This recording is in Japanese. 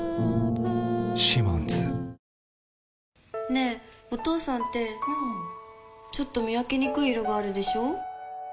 ねぇ、お父さんってうんちょっと見分けにくい色があるでしょ。